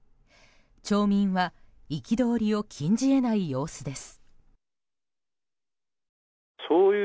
町民は憤りを禁じ得ない様子です。